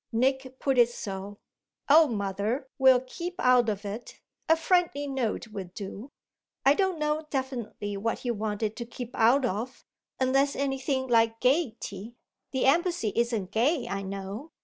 Nick put it so 'Oh mother, we'll keep out of it; a friendly note will do.' I don't know definitely what he wanted to keep out of, unless anything like gaiety. The embassy isn't gay, I know.